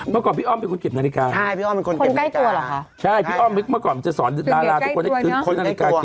เมื่อก่อนพี่อ้อมเป็นคนเก็บนาฬิกาหรอคะ